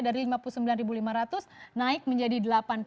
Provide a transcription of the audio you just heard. dari lima puluh sembilan lima ratus naik menjadi